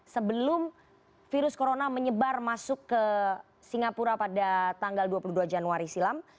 sebelum virus corona menyebar masuk ke singapura pada tanggal dua puluh dua januari silam